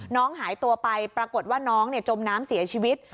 น้องหายตัวไปปรากฏว่าน้องจมน้ำเสียชีวิต